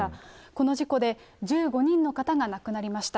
この事故で、１５人の方が亡くなりました。